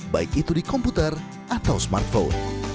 baik itu di komputer atau smartphone